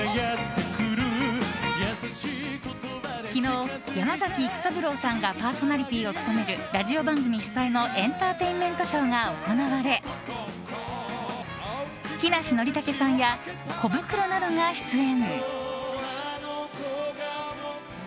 昨日、山崎育三郎さんがパーソナリティーを務めるラジオ番組主催のエンターテインメントショーが行われ木梨憲武さんやコブクロなどが出演。